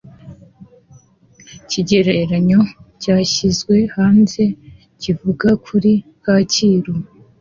IKEGERANYO, cyashizwe hanze kivuga kuri KAKIRU,